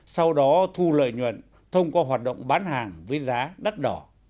sau đó thu lợi nhuận thông qua hoạt động bán hàng với giá đắt đỏ